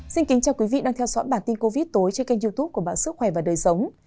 xin kính chào quý vị đang theo dõi bản tin covid tối trên kênh youtube của bạn sức khỏe và đời sống